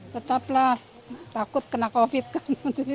tetaplah takut kena covid kan